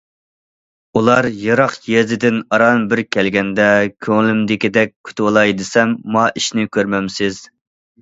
ئۇلار يىراق يېزىدىن ئاران بىر كەلگەندە كۆڭلۈمدىكىدەك كۈتۈۋالاي دېسەم، ماۋۇ ئىشنى كۆرمەمسىز.